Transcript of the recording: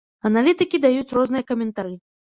Аналітыкі даюць розныя каментары.